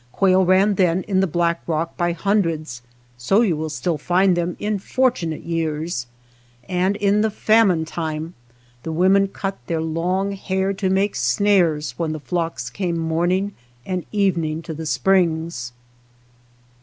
Quail ran then in the Black Rock by hundreds, — so you will still find them in fortunate years, — and in the famine time the women cut their long hair to make snares when the flocks came mornincr and evening: to the springs.